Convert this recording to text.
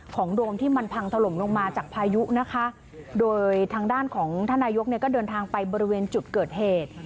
โดมที่มันพังถล่มลงมาจากพายุนะคะโดยทางด้านของท่านนายกเนี่ยก็เดินทางไปบริเวณจุดเกิดเหตุ